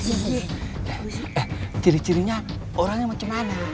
eh eh ciri cirinya orangnya macam mana